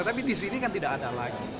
tapi di sini kan tidak ada lagi